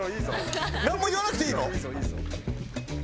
なんも言わなくていいの？